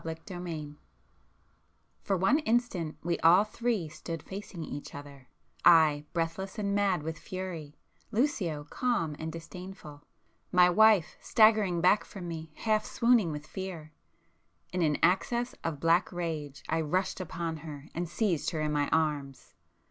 [p 370]XXXI For one instant we all three stood facing each other,—I breathless and mad with fury,—Lucio calm and disdainful,—my wife staggering back from me, half swooning with fear. In an access of black rage, I rushed upon her and seized her in my arms.